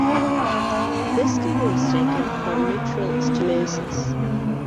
This can be mistaken for mitral stenosis.